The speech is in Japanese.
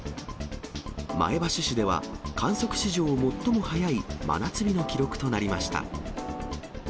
前橋市では、観測史上最も早い真夏日の記録となりました。